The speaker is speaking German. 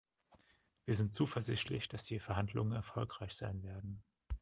Wir sind zuversichtlich, dass die Verhandlungen erfolgreich sein werden.